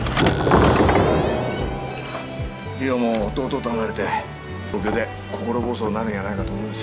梨央も弟と離れて東京で心細おなるんやないかと思います